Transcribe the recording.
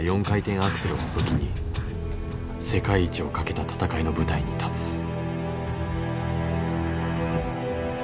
４回転アクセルを武器に世界一をかけた戦いの舞台に立つ。